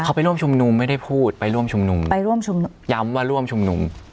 เขาไปร่วมชุมนุมไม่ได้พูดไปร่วมชุมนุมย้ำว่าร่วมชุมนุม